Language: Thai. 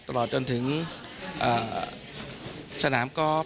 ตลอดจนถึงสนามกอล์ฟ